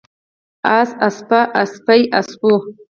اس، اسپه، اسپې، اسپو